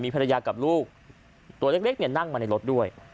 ภรรยากับลูกตัวเล็กนั่งมาในรถด้วย